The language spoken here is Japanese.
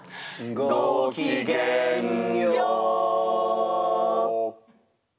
ごきげんよう。